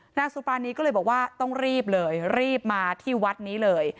นางสุปรานีก็เลยบอกว่าต้องรีบเลยรีบมาที่วัดนี้เลย